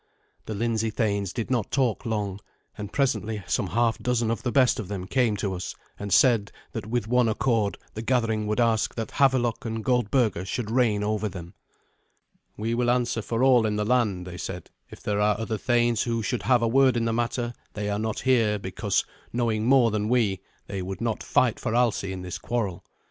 The Lindsey thanes did not talk long, and presently some half dozen of the best of them came to us, and said that with one accord the gathering would ask that Havelok and Goldberga should reign over them. "We will answer for all in the land," they said. "If there are other thanes who should have had a word in the matter, they are not here because, knowing more than we, they would not fight for Alsi in this quarrel.